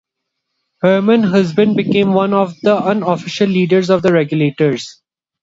Herman Husband became one of the unofficial leaders of the Regulators.